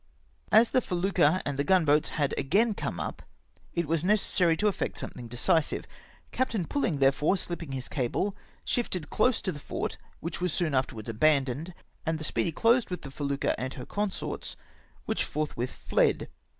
As the felucca and gun boats had again come up, it was neces sary to effect sometlhng decisive. Captain Pulhng, therefore, shpping his cable, shifted close to the fort, which was soon afterwards abandoned, and the Speedy closed with the felucca and her consorts, which forth with fled.